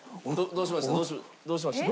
どうしました？